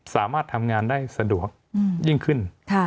สามารถทำงานได้สะดวกยิ่งขึ้น